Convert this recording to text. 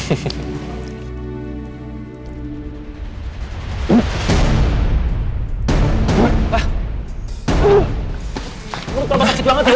menurut papa sakit banget dewa